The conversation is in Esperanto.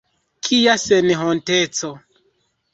Kia senhonteco!